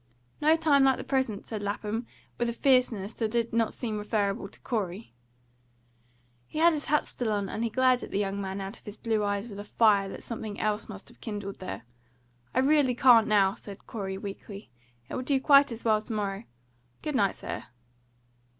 "No time like the present," said Lapham, with a fierceness that did not seem referable to Corey. He had his hat still on, and he glared at the young man out of his blue eyes with a fire that something else must have kindled there. "I really can't now," said Corey weakly. "It will do quite as well to morrow. Good night, sir."